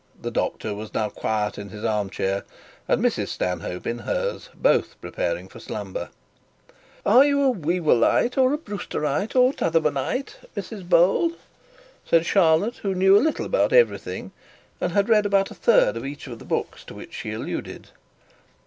The doctor was now quiet in his arm chair, and Mrs Stanhope in hers, both prepared for slumber. 'Are you a Whewellite or a Brewsterite, or a t'othermanite, Mrs Bold?' said Charlotte, who knew a little about everything, and had read about a third of each of the books to which she alluded.